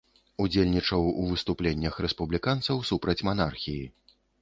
Удзельнічаў у выступленнях рэспубліканцаў супраць манархіі.